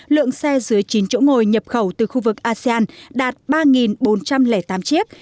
lượng xe dưới chín chỗ ngồi nhập khẩu từ khu vực asean đạt ba bốn trăm linh tám chiếc